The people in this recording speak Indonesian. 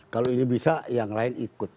kalau ini bisa yang lain ikut